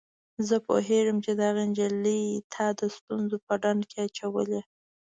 زه پوهیږم چي دغه نجلۍ تا د ستونزو په ډنډ کي اچولی.